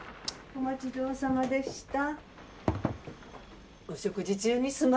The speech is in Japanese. お待ちどおさまでした。